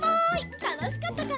たのしかったかな？